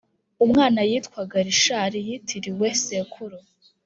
umwana yitwaga richard yitiriwe sekuru.